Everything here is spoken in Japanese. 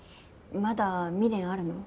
まだ未練あるの？